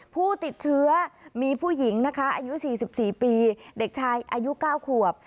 ผู้ติดเชื้อมีผู้หญิงนะคะอายุ๔๔ปีเด็กชายอายุ๙ขวบ